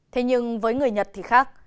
thế nhưng với người nhật thì khác